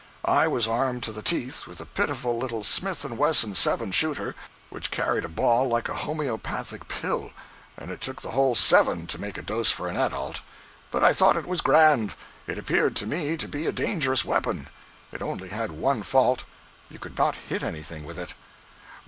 I was armed to the teeth with a pitiful little Smith & Wesson's seven shooter, which carried a ball like a homoeopathic pill, and it took the whole seven to make a dose for an adult. But I thought it was grand. It appeared to me to be a dangerous weapon. It only had one fault—you could not hit anything with it.